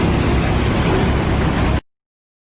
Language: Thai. ไปได้ละหนึ่งเลนนะไปได้ละหนึ่งเลน